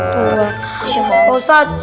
tunggu pak ustadz